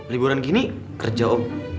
liburan gini kerja om